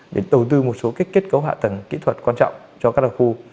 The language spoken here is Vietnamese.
để đầu tư một số kết cấu hạ tầng kỹ thuật quan trọng cho các đặc khu